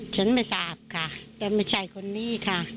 ฉันไม่ทราบค่ะแต่ไม่ใช่คนนี้ค่ะ